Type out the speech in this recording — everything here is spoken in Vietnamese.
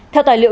theo tài liệu